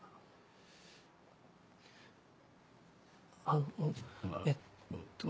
あのえっと。